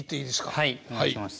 はいお願いします。